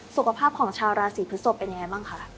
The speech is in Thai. สุขภาพของชาวราศีพฤศพเป็นยังไงบ้างคะ